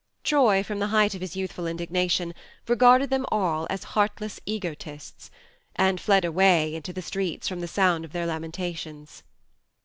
Troy, from the height of his youth ful indignation, regarded them all as heartless egoists, and fled away into 22 THE MARNE the streets from the sound of their lamentations.